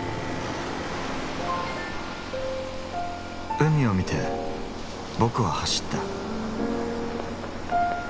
海を見てボクは走った。